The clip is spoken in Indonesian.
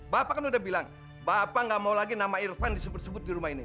bapak kan udah bilang bapak nggak mau lagi nama irfan disebut sebut di rumah ini